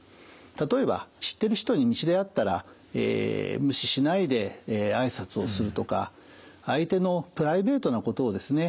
例えば知ってる人に道で会ったら無視しないで挨拶をするとか相手のプライベートなことをですね